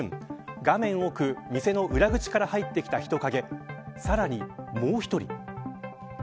画面奥店の裏口から入ってきた人影さらにもう１人。